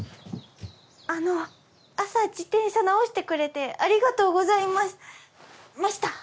あの朝自転車直してくれてありがとうございますました！